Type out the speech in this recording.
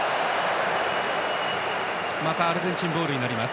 またアルゼンチンボールになります。